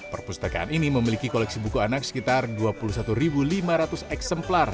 perpustakaan ini memiliki koleksi buku anak sekitar dua puluh satu lima ratus eksemplar